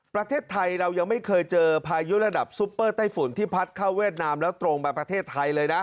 พายุระดับซุปเปอร์ไต้ฝุ่นที่พัดเข้าเวียดนามแล้วตรงมาประเทศไทยเลยนะ